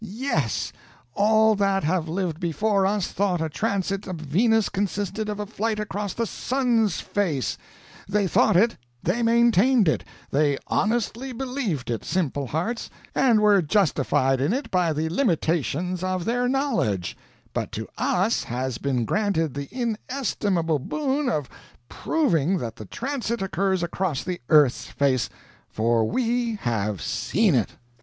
Yes all that have lived before us thought a transit of Venus consisted of a flight across the sun's face; they thought it, they maintained it, they honestly believed it, simple hearts, and were justified in it by the limitations of their knowledge; but to us has been granted the inestimable boon of proving that the transit occurs across the earth's face, for we have SEEN it!"